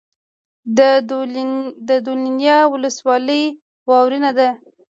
د دولینه ولسوالۍ واورین ده